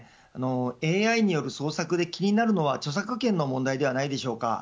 ＡＩによる創作で気になるのは著作権の問題ではないでしょうか。